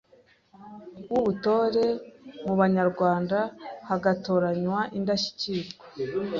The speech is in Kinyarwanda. w’ubutore mu Banyarwanda hagatoranywa indashyikirwa